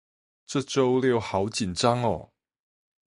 這週六好緊張喔